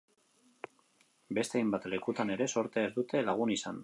Beste hainbat lekutan ere zortea ez dute lagun izan.